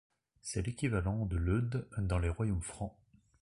C'est l'équivalent du leude dans les royaumes francs.